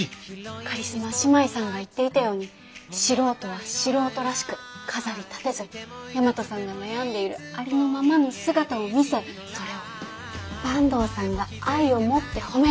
カリスマ姉妹さんが言っていたように素人は素人らしく飾りたてず大和さんが悩んでいるありのままの姿を見せそれを坂東さんが愛を持って褒める。